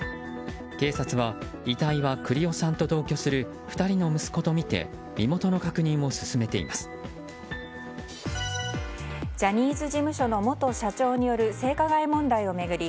警察は遺体は栗尾さんと同居する２人の息子とみてジャニーズ事務所の元社長による性加害問題を巡り